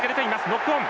ノックオン。